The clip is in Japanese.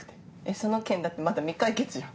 その件だってまだ未解決じゃん。